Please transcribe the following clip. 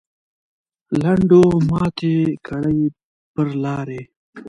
لنډو ماتې کړې پر لارې.